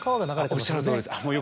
おっしゃるとおりです。